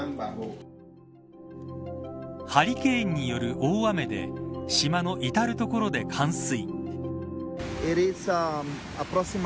ハリケーンによる大雨で島の至る所で冠水。